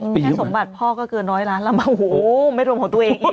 แค่สมบัติพ่อก็เกินร้อยล้านแล้วโอ้โหไม่รวมของตัวเองอีก